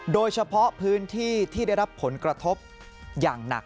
โดยเฉพาะพื้นที่ที่ได้รับผลกระทบอย่างหนัก